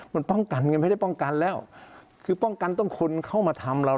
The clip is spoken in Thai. มันป้องกันไงไม่ได้ป้องกันแล้วคือป้องกันต้องคนเข้ามาทำเรา